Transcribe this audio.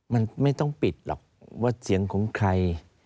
มันไม่ต้องปิดหรอกว่าเสียงของใคร